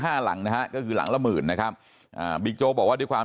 หลังนะฮะก็คือหลังละหมื่นนะครับอ่าบิ๊กโจ๊กบอกว่าด้วยความ